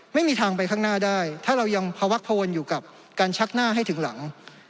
ไม่มีทางไปข้างหน้าได้ถ้าเรายังพวักพวนอยู่กับการชักหน้าให้ถึงหลัง